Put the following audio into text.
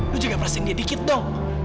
lo jaga perasaan dia dikit dong